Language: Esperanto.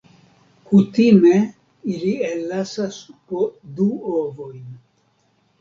Kutime ili ellasas po du ovojn.